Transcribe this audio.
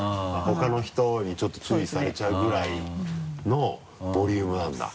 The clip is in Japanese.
他の人にちょっと注意されちゃうぐらいのボリュームなんだ。